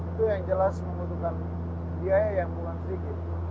itu yang jelas membutuhkan biaya yang bukan sedikit